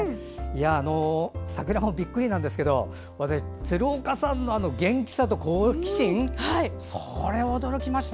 桜もびっくりなんですけど鶴岡さんの元気さと好奇心、それに驚きました。